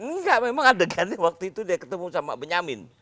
enggak memang adegannya waktu itu dia ketemu sama benyamin